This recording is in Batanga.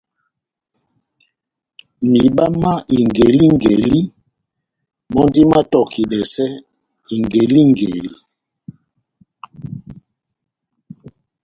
Mihiba má ingelingeli mɔ́ndi mátɔkidɛsɛ ingelingeli.